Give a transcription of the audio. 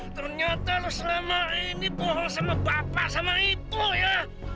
ternyata lu selama ini bohong sama bapak sama ibu ya